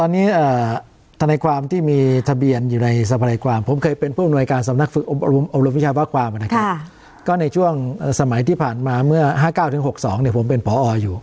ตอนนี้ธนายความที่มีทะเบียนอยู่ในสภานายความผมเคยเป็นผู้อำนวยการสำนักฝึกอบรมวิชาภาคความนะครับก็ในช่วงสมัยที่ผ่านมาเมื่อ๕๙๖๒ผมเป็นพออยู่